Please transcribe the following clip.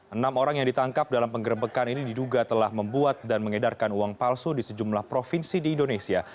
enam orang yang ditangkap dalam penggerbekan ini diduga telah membuat dan mengedarkan uang palsu di sejumlah provinsi di indonesia